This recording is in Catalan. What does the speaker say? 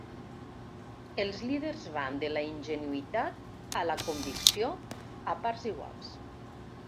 Els líders van de la ingenuïtat a la convicció a parts iguals.